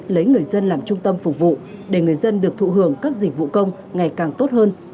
lấy người dân làm trung tâm phục vụ để người dân được thụ hưởng các dịch vụ công ngày càng tốt hơn